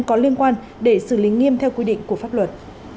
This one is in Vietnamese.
có liên quan để xử lý nghiêm theo quy định của pháp luật